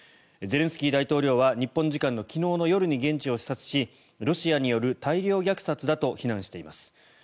ゼレンスキー大統領は日本時間の昨日の夜に現地を視察しロシアによる大量虐殺だと非難しています。